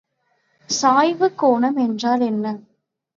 சாய்வுக் கோணம் என்றால் என்ன?